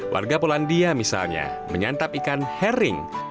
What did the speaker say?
warga polandia misalnya menyantap ikan herring